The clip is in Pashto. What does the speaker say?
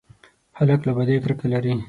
هلک له بدۍ کرکه لري.